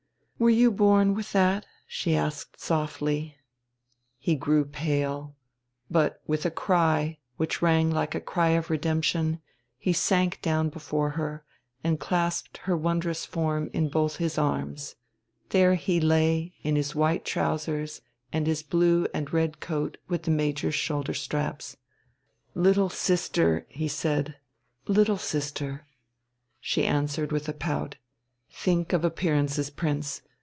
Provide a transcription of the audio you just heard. "Were you born with that?" she asked softly. He grew pale. But with a cry, which rang like a cry of redemption, he sank down before her, and clasped her wondrous form in both his arms. There he lay, in his white trousers and his blue and red coat with the major's shoulder straps. "Little sister," he said, "little sister " She answered with a pout: "Think of appearances, Prince.